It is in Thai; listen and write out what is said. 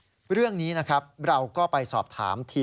คุณผู้ชมครับเรื่องนี้นะครับเราก็ไปสอบถามทีมแพทย์ของโรงพยาบาลวานอนนิวาด